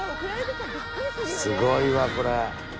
すごいわこれ。